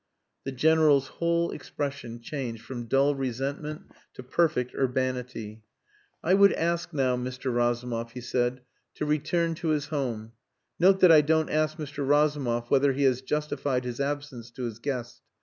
The General's whole expression changed from dull resentment to perfect urbanity. "I would ask now, Mr. Razumov," he said, "to return to his home. Note that I don't ask Mr. Razumov whether he has justified his absence to his guest.